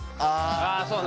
あそうね